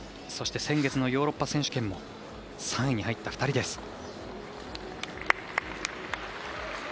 そして先月のヨーロッパ選手権も３位に入った２人です。